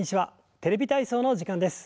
「テレビ体操」の時間です。